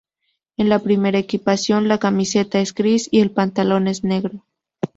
En la primera equipación, la camiseta es gris y el pantalón es negro.